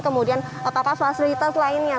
kemudian apa apa fasilitas lainnya